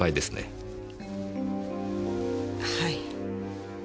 はい。